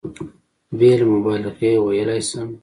بېله مبالغې ویلای شم.